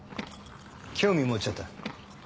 興味持っちゃった？